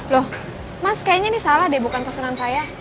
loh mas kayaknya ini salah deh bukan pesanan saya